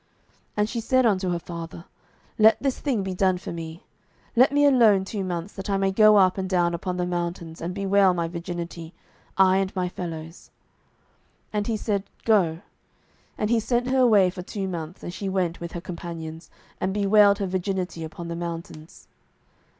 07:011:037 And she said unto her father, Let this thing be done for me: let me alone two months, that I may go up and down upon the mountains, and bewail my virginity, I and my fellows. 07:011:038 And he said, Go. And he sent her away for two months: and she went with her companions, and bewailed her virginity upon the mountains.